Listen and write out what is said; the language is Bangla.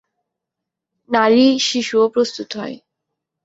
নারী-শিশুও প্রস্তুত হয়।